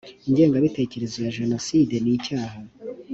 ingengabitekerezo ya jenoside ni icyaha